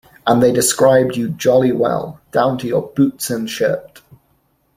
and they described you jolly well, down to your boots and shirt.